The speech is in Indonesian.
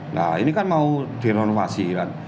nah ini kan mau direnovasi kan